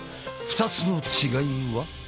２つの違いは？